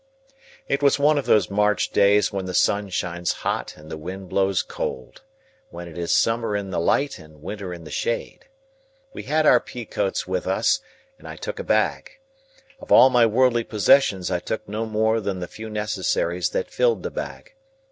It was one of those March days when the sun shines hot and the wind blows cold: when it is summer in the light, and winter in the shade. We had our pea coats with us, and I took a bag. Of all my worldly possessions I took no more than the few necessaries that filled the bag.